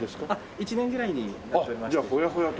１年ぐらいになっておりまして。